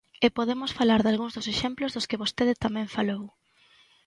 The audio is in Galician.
E podemos falar dalgúns dos exemplos dos que vostede tamén falou.